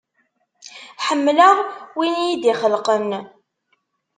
Ḥemmleɣ wina iyi-d-ixelqen.